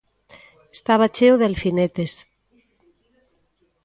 Estaba cheo de alfinetes.